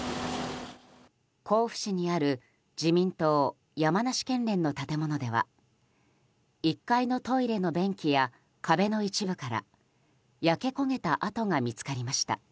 甲府市にある自民党山梨県連の建物では１階のトイレの便器や壁の一部から焼け焦げた跡が見つかりました。